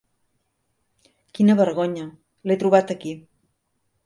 Quina vergonya, l'he trobat aquí.